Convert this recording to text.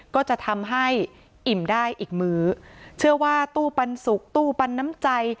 ก็จะทำให้อิ่มได้อีกมื้อเชื่อว่าตู้ปันสุกตู้ปันน้ำใจ